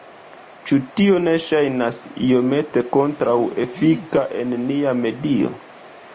Ĉu tio ne ŝajnas iomete kontraŭefika en nia medio?